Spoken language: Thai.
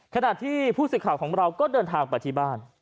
ขณะที่ผู้สื่อข่าวของเราก็เดินทางไปที่บ้าน